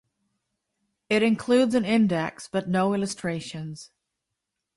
It includes an index, but no illustrations.